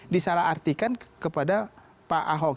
disalah artikan kepada pak ahok